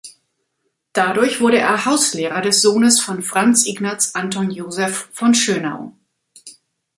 Dadurch wurde er Hauslehrer des Sohnes von Franz Ignaz Anton Josef von Schönau.